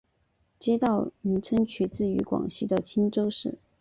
街道名称取自广西的钦州市。